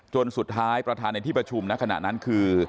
จนสุดท้ายประธานในที่ประชุมในขณะนั้นคือ